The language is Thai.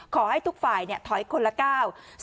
ขอให้ทุกฝ่ายถอยคนละก้าว